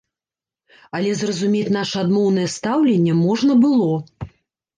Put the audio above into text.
Але зразумець наша адмоўнае стаўленне можна было.